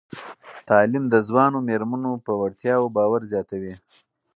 تعلیم د ځوانو میرمنو په وړتیاوو باور زیاتوي.